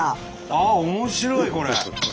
あっ面白いこれ。